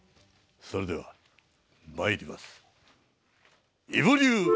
それではまいります。